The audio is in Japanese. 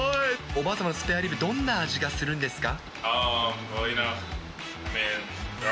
おばあ様のスペアリブ、どんな味がするんですか？